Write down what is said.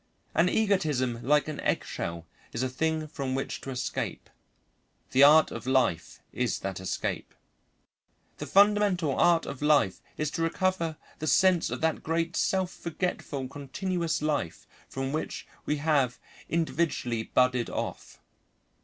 An egotism like an eggshell is a thing from which to escape; the art of life is that escape. The fundamental art of life is to recover the sense of that great self forgetful continuous life from which we have individually budded off.